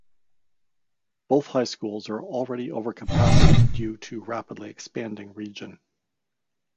Both high schools are already overcapacity due to rapidly expanding region.